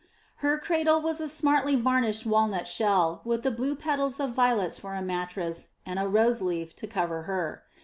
Her cradle was a smartly varnished walnut shell, with the blue petals of violets for a mattress and a rose leaf to cover her.